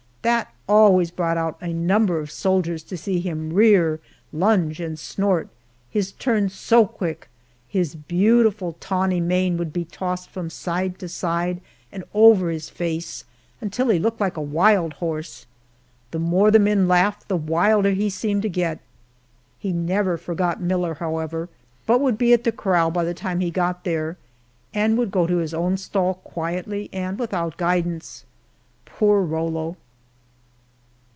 That always brought out a number of soldiers to see him rear, lunge, and snort; his turns so quick, his beautiful tawny mane would be tossed from side to side and over his face until he looked like a wild horse. The more the men laughed the wilder he seemed to get. He never forgot Miller, however, but would be at the corral by the time he got there, and would go to his own stall quietly and without guidance. Poor Rollo!